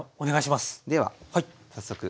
では早速。